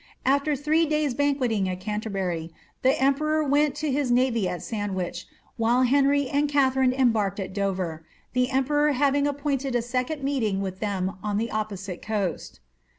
After three days' banqueting at Canterbury the emperor went to his navy at Sandwich, while Henry and Katharine embarked at Dover, the emperor having appointed a second meeting wiih them on the opposite coast.